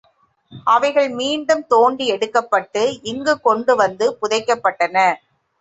அவைகள் மீண்டும் தோண்டி எடுக்கப்பட்டு, இங்குக் கொண்டு வந்து புதைக்கப்பட்டன.